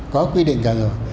có quy định cả rồi